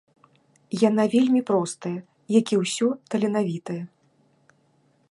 Яна вельмі простая, як і ўсё таленавітае.